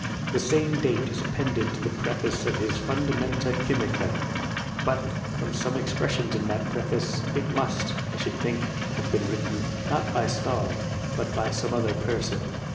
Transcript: The same date is appended to the preface of his Fundamenta Chymise ; but, from some expressions in that preface, it must, I should think, have been written, not by Stahl, but by some other person.